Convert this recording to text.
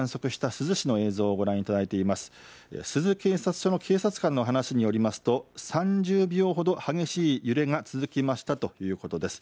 珠洲警察署の警察官の話によりますと３０秒ほど激しい揺れが続きましたということです。